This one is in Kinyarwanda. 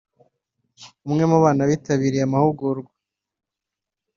umwe mu bana bitabiriye amahugurwa